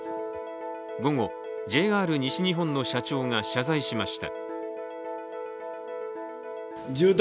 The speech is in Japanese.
午後、ＪＲ西日本の社長が謝罪しました。